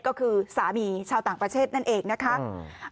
ก็คือสามีชาวต่างประเทศนั่นเอง